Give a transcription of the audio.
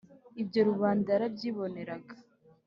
ibyo rubanda yarabyiboneraga,